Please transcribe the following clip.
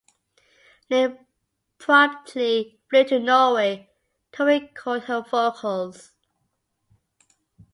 Linn promptly flew to Norway to record her vocals.